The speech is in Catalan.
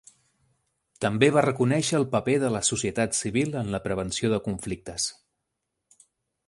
També va reconèixer el paper de la societat civil en la prevenció de conflictes.